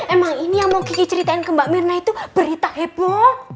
emang ini yang mau kiki ceritain ke mbak mirna itu berita heboh